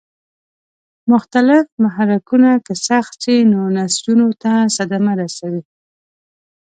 مختلف محرکونه که سخت شي نو نسجونو ته صدمه رسوي.